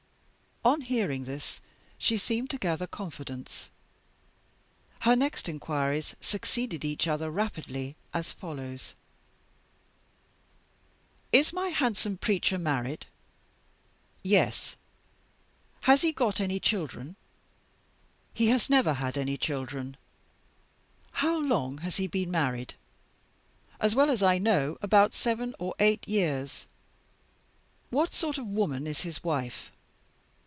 On hearing this, she seemed to gather confidence. Her next inquiries succeeded each other rapidly, as follows: "'Is my handsome preacher married?' "'Yes.' "'Has he got any children?' "'He has never had any children.' "'How long has he been married?' "'As well as I know, about seven or eight years. "'What sort of woman is his wife?